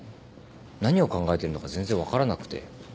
何を考えてるのか全然分からなくて。